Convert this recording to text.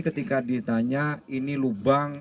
ketika ditanya ini lubang